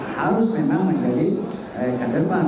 harus memang menjadi kaderban